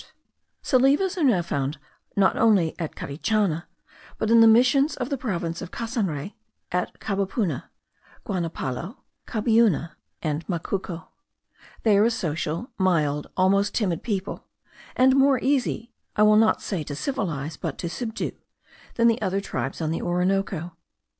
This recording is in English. Salives are now found not only at Carichana, but in the Missions of the province of Casanre, at Cabapuna, Guanapalo, Cabiuna, and Macuco. They are a social, mild, almost timid people; and more easy, I will not say to civilize, but to subdue, than the other tribes on the Orinoco.